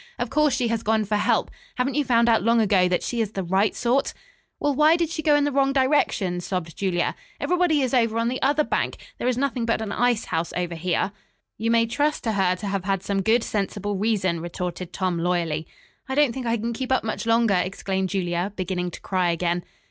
Of course she has gone for help. Haven't you found out long ago that she is the right sort?" "Well, why did she go in the wrong direction?" sobbed Julia. "Everybody is over on the other bank. There is nothing but an ice house over here." "You may trust to her to have had some good, sensible reason," retorted Tom loyally. "I don't think I can keep up much longer," exclaimed Julia, beginning to cry again.